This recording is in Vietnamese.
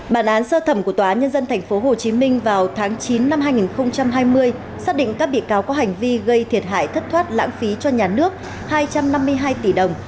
bản án sơ thẩm của tòa nhân dân tp hcm vào tháng chín năm hai nghìn hai mươi xác định các bị cáo có hành vi gây thiệt hại thất thoát lãng phí cho nhà nước hai trăm năm mươi hai tỷ đồng